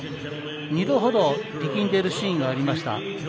２度ほど力んでいるシーンがありました。